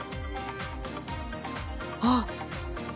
あっ！